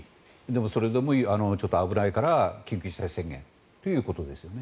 それでも危ないから緊急事態宣言ということですよね。